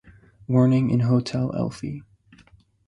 Warning and Hotel Elfie.